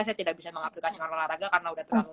saya tidak bisa mengaktifkan dengan olahraga karena udah terlalu